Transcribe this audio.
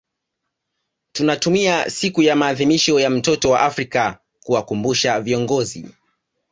Tunatumia siku ya maadhimisho ya mtoto wa Afrika kuwakumbusha viongozi